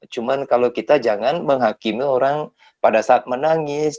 cuma kalau kita jangan menghakimi orang pada saat menangis